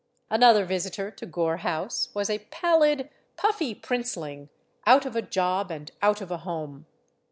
Another visitor to Gore House was a pallid, puffy princeling, out of a job and out of a home.